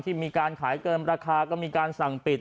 มีการขายเกินราคาก็มีการสั่งปิด